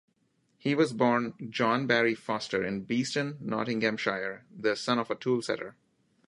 He was born John Barry Foster in Beeston, Nottinghamshire, the son of a toolsetter.